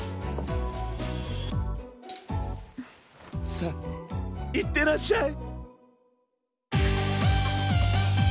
さあいってらっしゃい。